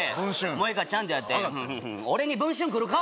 もうええからちゃんとやって俺に「文春」来るか？